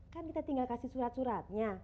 kan kita tinggal kasih surat suratnya